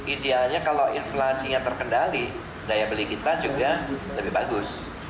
idealnya kalau inflasinya terkendali daya beli kita juga lebih bagus